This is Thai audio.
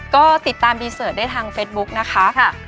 ก็ติดตามรีเสิร์ตได้ทางเฟซบุ๊กนะคะ